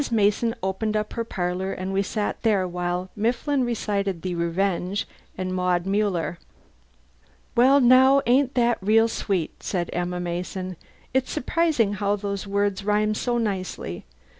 Mason opened up her parlour and we sat there while Mifflin recited "The Revenge" and "Maud Muller." "Well, now, ain't that real sweet!" said Emma Mason. "It's surprising how those words rhyme so nicely.